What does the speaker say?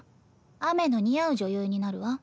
雨の似合う女優になるわ。